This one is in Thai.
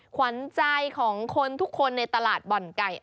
ขวัญใจของคนทุกคนในตลาดบ่อนไก่